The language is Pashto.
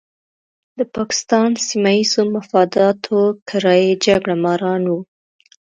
د پاکستان سیمه ییزو مفاداتو کرایي جګړه ماران وو.